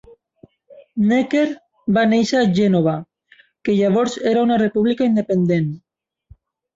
Necker va néixer a Gènova, que llavors era una república independent.